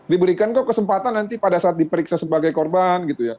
diberikan kok kesempatan nanti pada saat diperiksa sebagai korban gitu ya